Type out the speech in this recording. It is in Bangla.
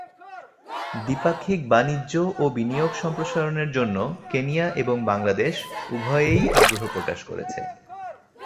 দ্বিপাক্ষিক বাণিজ্য ও বিনিয়োগ সম্প্রসারণের জন্য কেনিয়া এবং বাংলাদেশ উভয়েই আগ্রহ প্রকাশ করেছে।